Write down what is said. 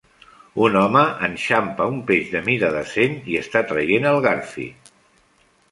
Un home enxampa un peix de mida decent i està traient el garfi.